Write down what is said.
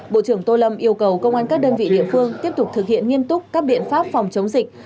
bộ trưởng tô lâm yêu cầu công an các đơn vị địa phương tiếp tục thực hiện nghiêm túc các biện pháp phòng chống dịch